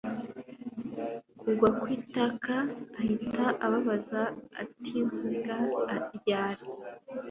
kugwa kwitaka ahita ababaza atikuva ryari